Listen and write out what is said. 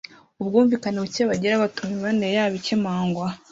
Ubwumvikane bucye bagira butuma imibanire yabo icyemangwa